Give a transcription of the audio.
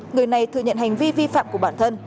người này thừa nhận hành vi vi phạm của bản thân